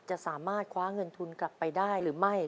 จะสามารถคว้าเงินทุนกลับไปได้หรือไม่